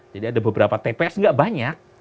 jadi ada beberapa tps tidak banyak